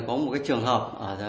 có một cái trường hợp